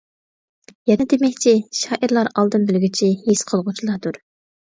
يەنە دېمەكچى، شائىرلار ئالدىن بىلگۈچى، ھېس قىلغۇچىلاردۇر.